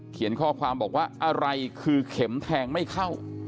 เขียนข้อความบอกว่าอะไรคือเข็มแทงไม่เข้า